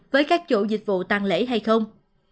với các chỗ dịch vụ tăng lễ hay không